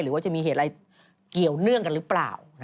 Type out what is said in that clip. ว่าจะมีเหตุอะไรเกี่ยวเนื่องกันหรือเปล่า